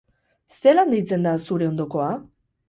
Zelan deitzen da zure ondokoa?